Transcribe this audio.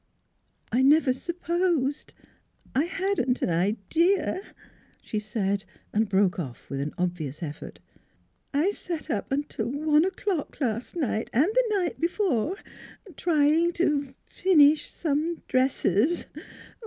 " I never supposed I hadn't an idea " she said, and broke off with an ^obvious effort. " I sat up till one o'clock last night and the night before trying to to finish some dresses.